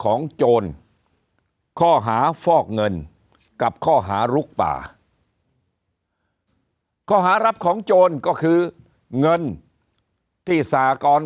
โจรข้อหาฟอกเงินกับข้อหาลุกป่าข้อหารับของโจรก็คือเงินที่สากร